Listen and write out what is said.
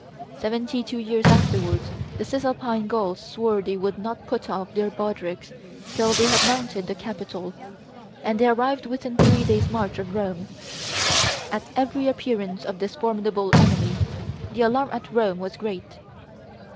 Seventy two years afterwards the Cisalpine Gauls swore they would not put off their baldricks till they had mounted the Capitol, and they arrived within three days' march of Rome. At every appearance of this formidable enemy the alarm at Rome was great.